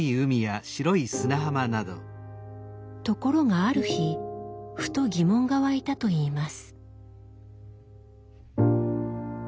ところがある日ふと疑問が湧いたといいます。